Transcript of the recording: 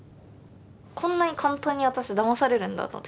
こんなに簡単に私だまされるんだと思って。